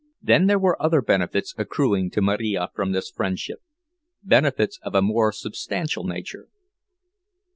Then there were other benefits accruing to Marija from this friendship—benefits of a more substantial nature.